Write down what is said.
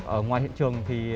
ở ngoài hiện trường thì